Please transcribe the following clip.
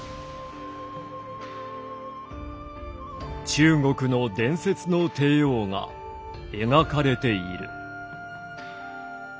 「中国の伝説の帝王が描かれている」。